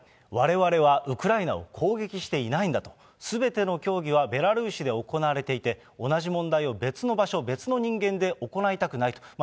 われわれはウクライナを攻撃していないんだと、すべての協議はベラルーシで行われていて、同じ問題を別の場所、別の人間で行いたくないと。